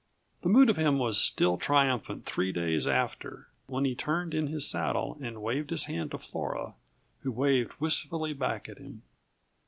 The mood of him was still triumphant three days after when he turned in his saddle and waved his hand to Flora, who waved wistfully back at him.